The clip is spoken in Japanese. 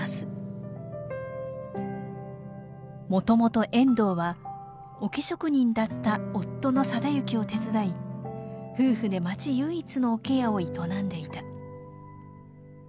もともと遠藤は桶職人だった夫の定之を手伝い夫婦で町唯一の桶屋を営んでいた。